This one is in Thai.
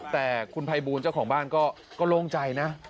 แต่คุณภัยบูลเจ้าของบ้านก็โล่งใจนะ